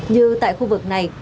như tại khu vực này